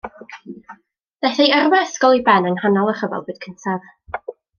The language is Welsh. Daeth ei yrfa ysgol i ben yng nghanol y Rhyfel Byd Cyntaf.